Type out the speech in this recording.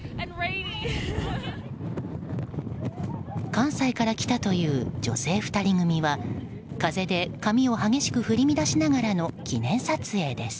関西から来たという女性２人組は風で髪を激しく振り乱しながらの記念撮影です。